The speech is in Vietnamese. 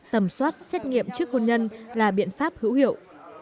tầm soát xét nghiệm trước hôn nhân là biện pháp hữu hiệu